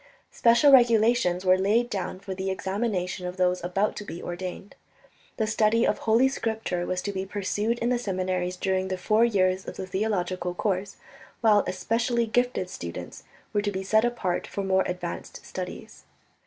Special regulations were laid down for the examination of those about to be ordained. The study of Holy Scripture was to be pursued in the seminaries during the four years of the theological course, while especially gifted students were to be set apart for more advanced studies.